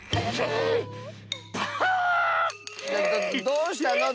どうしたの？